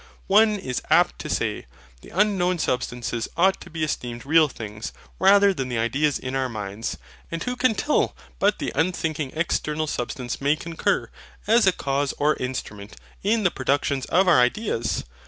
One is apt to say The unknown substances ought to be esteemed real things, rather than the ideas in our minds: and who can tell but the unthinking external substance may concur, as a cause or instrument, in the productions of our ideas?